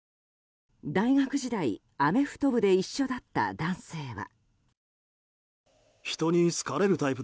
大学時代、アメフト部で一緒だった男性は。